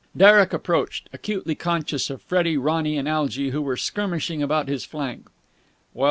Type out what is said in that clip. Derek approached, acutely conscious of Freddie, Ronny, and Algy, who were skirmishing about his flank.